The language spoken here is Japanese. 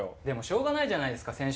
でもしょうがないじゃないですか。